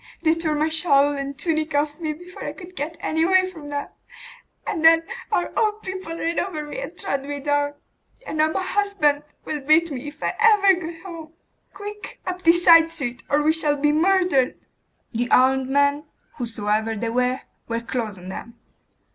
They tore my shawl and tunic off me before I could get away from them; and then our own people ran over me and trod me down. And now my husband will beat me, if I ever get home. Quick! up this side street, or we shall be murdered!' The armed men, whosoever they were, were close on them.